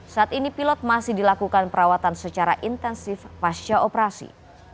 saat ini pilot masih dilakukan perawatan secara intensif pasca operasi